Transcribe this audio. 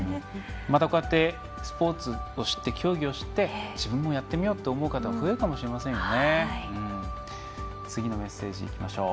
こうやってスポーツを知って、競技を知って自分もやってみようと思う方も増えるかもしれませんよね。